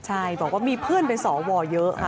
ใช่บอกว่ามีเพื่อนเป็นสวเยอะค่ะ